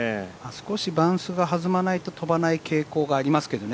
少しバウンスが弾まないと飛ばない傾向がありますけどね